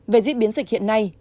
về diễn biến dịch hiện nay